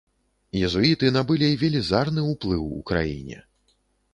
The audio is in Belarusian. Езуіты набылі велізарны ўплыў у краіне.